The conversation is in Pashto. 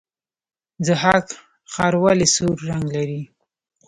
ضحاک ښار ولې سور رنګ لري؟